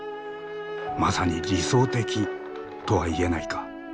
まさに理想的とは言えないか。